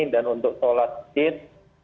dan untuk solatid